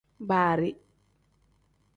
Baari.